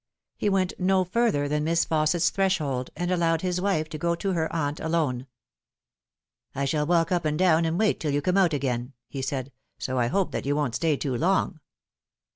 He went no further than Miss Fausset'a threshold, and allowed his wife to go to her aunt alone. 346 The Fatal Three. " I shall walk up and down and wait till you come out again," he said, " so I hope that you won't stay too long."